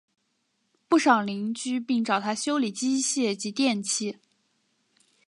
不少邻居并找他修理机械及电器。